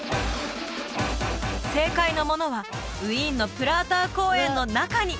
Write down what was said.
正解のものはウィーンのプラーター公園の中に！